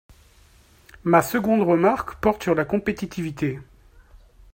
Ma seconde remarque porte sur la compétitivité.